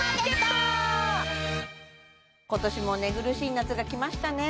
今年も寝苦しい夏が来ましたね